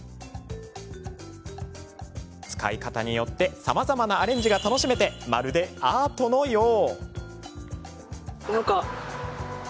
使い方によってさまざまなアレンジが楽しめてまるでアートのよう。